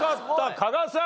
加賀さん。